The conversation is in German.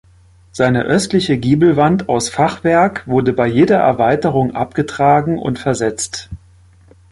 Seine östliche Giebelwand aus Fachwerk wurde bei jeder Erweiterung abgetragen und versetzt.